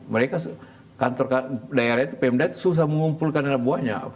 mereka kantor daerah itu pmd susah mengumpulkan buahnya